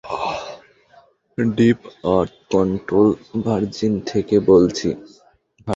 Deep earth control, Virgil থেকে বলছি।